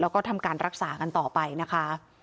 แล้วก็ทำการรักษากันต่อไปนะคะ